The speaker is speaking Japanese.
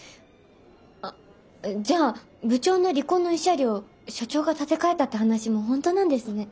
あっじゃあ部長の離婚の慰謝料社長が立て替えたって話も本当なんですね。